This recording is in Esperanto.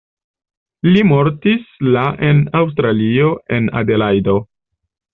Li mortis la en Aŭstralio en Adelajdo.